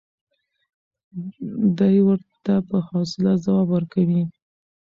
دی ورته په حوصله ځواب ورکوي.